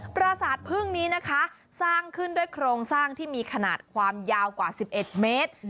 ประสาทพึ่งนี้นะคะสร้างขึ้นด้วยโครงสร้างที่มีขนาดความยาวกว่า๑๑เมตร